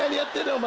お前。